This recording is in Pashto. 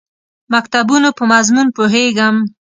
مکتوبونو په مضمون پوهېږم.